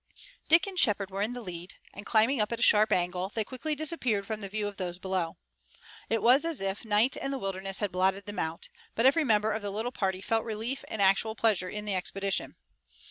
Dick and Shepard were in the lead, and, climbing up at a sharp angle, they quickly disappeared from the view of those below. It was as if night and the wilderness had blotted them out, but every member of the little party felt relief and actual pleasure in the expedition.